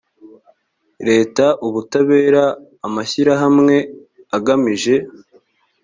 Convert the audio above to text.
leta ubutabera amashyirahamwe agamije